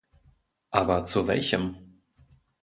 Aber zu welchem?